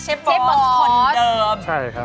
เชฟบอสคนเดิมใช่ครับ